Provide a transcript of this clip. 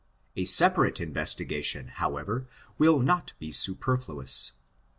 A separate investigation, however, will not be superfluous.